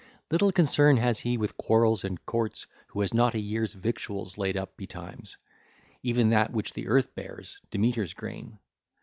Little concern has he with quarrels and courts who has not a year's victuals laid up betimes, even that which the earth bears, Demeter's grain.